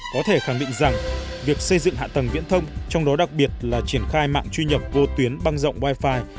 có thể khẳng định rằng việc xây dựng hạ tầng viễn thông trong đó đặc biệt là triển khai mạng truy nhập vô tuyến băng rộng wifi